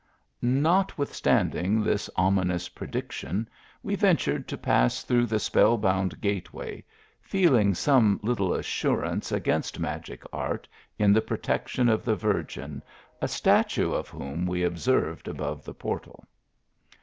Notwithstanding this ominous prediction, we ven tured to pass through the spell bound gateway, feel ing some little assurance against magic art in the. protection of the Virgin, a statue of whom we o,b served above the portal.